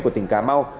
của tỉnh cà mau